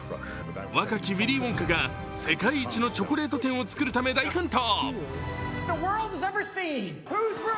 若きウィリー・ウォンカが世界一のチョコレート店を作るため大奮闘。